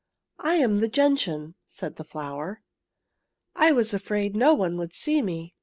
I am the gentian/' said the flower. '' I was afraid no one would see me.